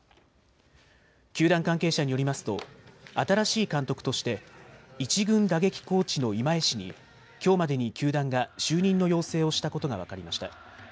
球団関係者によりますと新しい監督として１軍打撃コーチの今江氏にきょうまでに球団が就任の要請をしたことが分かりました。